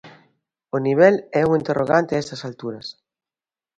O nivel é un interrogante a estas alturas.